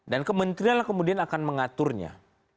dan kementerian kemudian akan mengaturnya